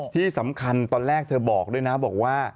ที่สำคัญตอนแรกเธอบอกด้วยนะบอกว่า